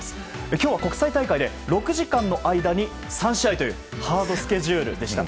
今日は国際大会で６時間の間に３試合というハードスケジュールでした。